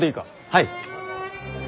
はい。